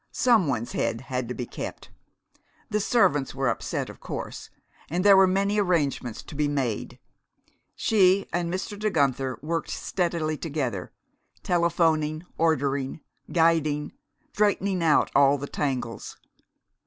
Some one's head had to be kept. The servants were upset, of course, and there were many arrangements to be made. She and Mr. De Guenther worked steadily together, telephoning, ordering, guiding, straightening out all the tangles.